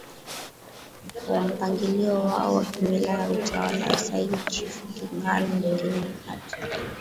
wa mpangilio wao wa kimila wa utawala wa Sayyid Chifu KingaluMwingine ni Patric